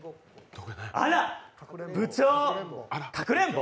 あら、部長、かくれんぼ？